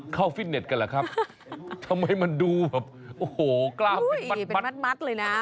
เข้าโฟติเน็ตกันหรอครับทำไมมันดูห่ะโอโหไหมมัดนะเว้น